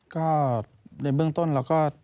ก็ในเบื้องต้นเราก็